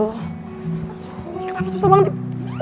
kenapa susah banget